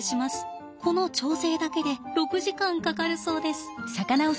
この調整だけで６時間かかるそうです。